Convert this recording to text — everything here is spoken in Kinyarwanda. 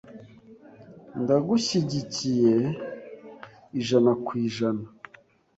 Ndagushyigikiye ijana ku ijana .